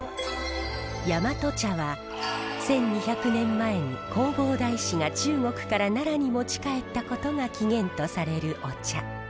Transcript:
大和茶は１，２００年前に弘法大師が中国から奈良に持ち帰ったことが起源とされるお茶。